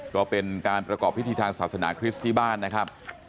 ก็เป็นการประกอบพิธีทางศาสนาคริสต์ที่บ้านนะครับ